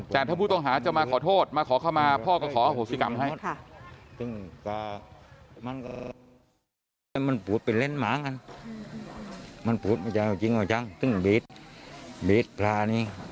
แต่ถ้าผู้ต้องหาจะมาขอโทษมาขอเข้ามาพ่อก็ขออโหสิกรรมให้